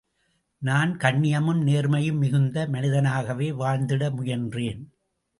நான் கண்ணியமும் நேர்மையும் மிகுந்த மனிதனாகவே வாழ்ந்திட முயன்றேன்.